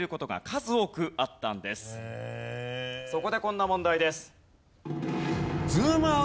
そこでこんな問題です。